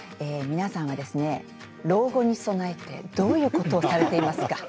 皆さんは老後に備えてどういうことをされていますか？